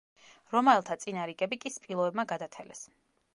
რომაელთა წინა რიგები კი სპილოებმა გადათელეს.